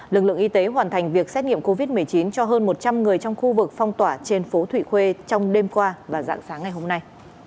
lực lượng y tế hoàn thành việc xét nghiệm covid một mươi chín cho hơn một trăm linh người trong khu vực phong tỏa trên phố thụy khuê trong đêm qua và dạng sáng ngày hôm nay